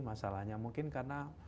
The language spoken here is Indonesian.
masalahnya mungkin karena